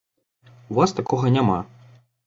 У вас такога няма.